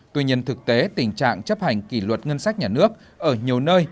tuy nhiên thực tế tình trạng chấp hành kỷ luật ngân sách nhà nước ở nhiều nơi